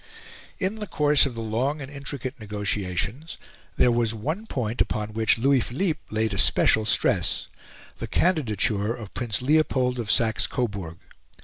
In the course of the long and intricate negotiations there was one point upon which Louis Philippe laid a special stress the candidature of Prince Leopold of Saxe Coburg.